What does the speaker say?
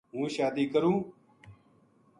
ہوں شادی کروں